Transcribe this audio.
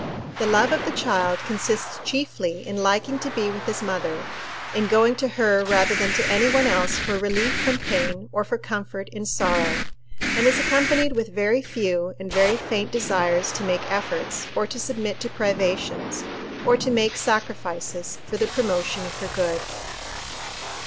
The love of the child consists chiefly in liking to be with his mother, in going to her rather than to any one else for relief from pain or for comfort in sorrow, and is accompanied with very few and very faint desires to make efforts, or to submit to privations, or to make sacrifices, for the promotion of her good.